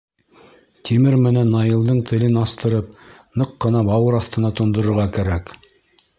Тимер менән Наилдың телен астырып, ныҡ ҡына бауыр аҫтына тондорорға кәрәк.